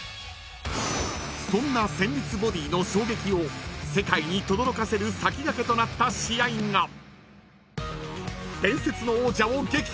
［そんな戦慄ボディーの衝撃を世界にとどろかせる先駆けとなった試合が］